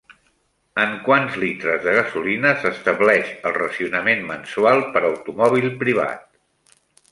En quants litres de gasolina s'estableix el racionament mensual per automòbil privat?